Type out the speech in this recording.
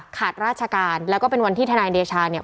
ขาดราชการแล้วก็เป็นวันที่ทนายเดชาเนี่ย